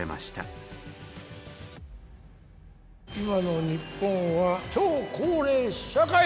「今の日本は超高齢社会」。